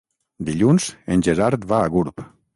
Dilluns en Gerard va a Gurb.